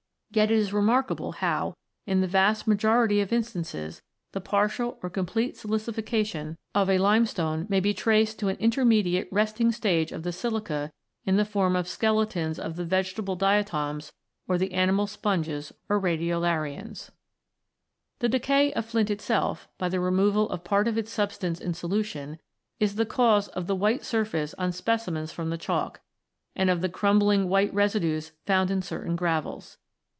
Yet it is remarkable how, in the vast majority of in stances, the partial or complete silicification of a 42 ROCKS AND THEIR ORIGINS [CH. limestone may be traced to an intermediate resting stage of the silica in the form of skeletons of the vegetable diatoms or the animal sponges or radiolarians. The decay of flint itself, by the removal of part of its substance in solution, is the cause of the white surface on specimens from the Chalk, and of the crumbling white residues found in certain gravels.